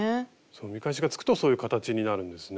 見返しがつくとそういう形になるんですね。